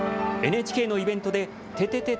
ＮＨＫのイベントでててて！